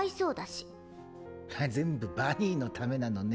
全部バニーのためなのね。